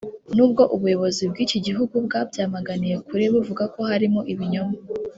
n’ubwo ubuyobozi bw’iki gihugu bwabyamaganiye kure buvuga ko harimo ibinyoma